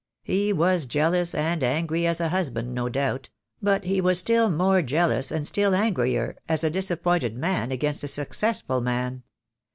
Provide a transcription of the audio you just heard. He was jealous and angry as a husband, no doubt; but he was still more jealous and still angrier as a disappointed man against a successful man.